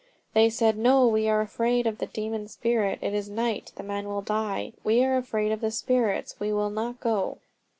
They said, "No, we are afraid of the demon spirit. It is night. The man will die. We are afraid of the spirits. We will not go."